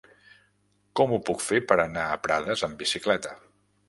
Com ho puc fer per anar a Prades amb bicicleta?